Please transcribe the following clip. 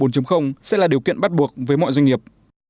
là một điều kiện bắt buộc với mọi doanh nghiệp